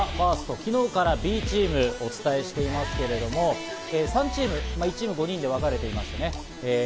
昨日からＢチームをお伝えしていますけれども、３チーム、１チーム５人でわかれていましてね。